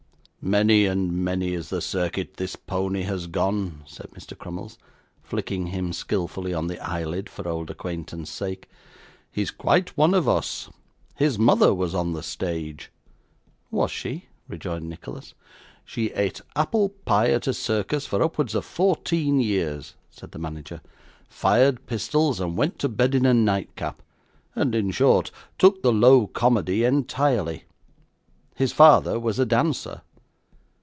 'Many and many is the circuit this pony has gone,' said Mr. Crummles, flicking him skilfully on the eyelid for old acquaintance' sake. 'He is quite one of us. His mother was on the stage.' 'Was she?' rejoined Nicholas. 'She ate apple pie at a circus for upwards of fourteen years,' said the manager; 'fired pistols, and went to bed in a nightcap; and, in short, took the low comedy entirely. His father was a dancer.